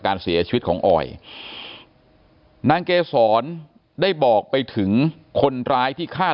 การเสียชีวิตของออยนางเกษรได้บอกไปถึงคนร้ายที่ฆ่า